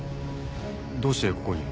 どうしてここに？